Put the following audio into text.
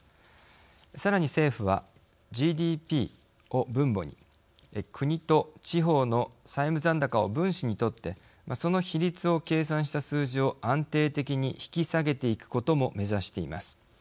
さらに、政府は、ＧＤＰを分母に国と地方の債務残高を分子にとってその比率を計算した数字を安定的に引き下げていくことも目指しています。